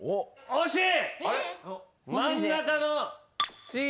・惜しい！